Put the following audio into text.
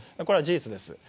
これは事実です。